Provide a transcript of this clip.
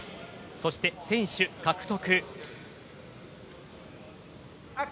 そして先取獲得。